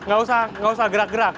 gak usah gerak gerak